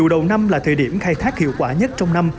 đầu năm là thời điểm khai thác hiệu quả nhất trong năm